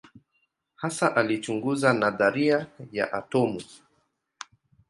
Hasa alichunguza nadharia ya atomu.